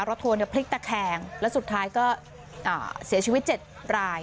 ทัวร์พลิกตะแคงแล้วสุดท้ายก็เสียชีวิต๗ราย